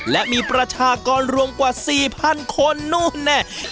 และมีประชากรรวมกว่า๔๐๐๐คนนู่นแน่